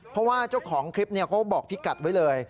เพราะว่าเจ้าของคลิปเขาบอกพี่กัดไว้เลย